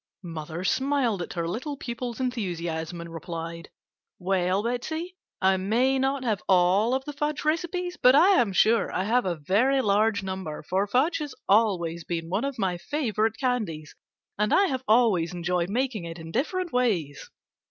Mother smiled at her little pupil's enthusiasm and replied: "Well, Betsey, I may not have all of the fudge recipes, but I am sure I have a very large number, for fudge has always been one of my favorite candies, and I have always enjoyed making it in different ways."